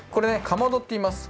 かまどっていいます。